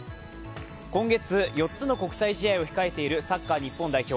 今月４つの国際試合を控えているサッカー日本代表。